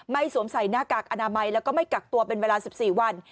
สวมใส่หน้ากากอนามัยแล้วก็ไม่กักตัวเป็นเวลา๑๔วัน